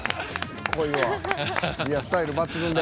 スタイル抜群で。